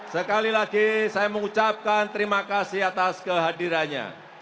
sekali lagi saya mengucapkan terima kasih atas kehadirannya